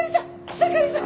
草刈さん！